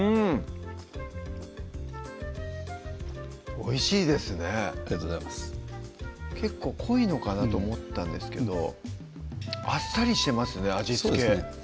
おいしいですねありがとうございます結構濃いのかなと思ったんですけどあっさりしてますね味付けそうですね